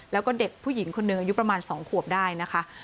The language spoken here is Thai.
แล้วก็เด็กผู้หญิงคนหนึ่งอายุประมาณ๒ขวบได้นะคะ